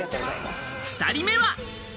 ２人目は。